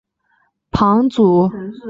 庞祖勒。